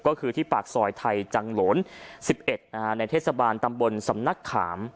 ก็คือที่ปากซอยไทยจังหลน๑๑ในเทศบาลตำบลสำนักขาม